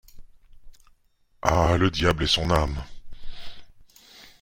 Ah! le diable ait son âme !